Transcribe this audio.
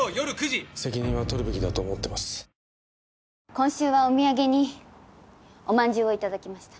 今週はお土産におまんじゅうを頂きました。